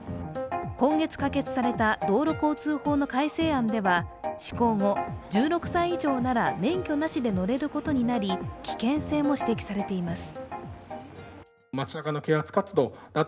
今月可決された道路交通法の改正案では施行後、１６歳以上なら免許なしで乗れることになり、危険性も指摘されています。